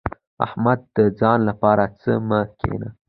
احمده! د ځان لپاره څا مه کينه.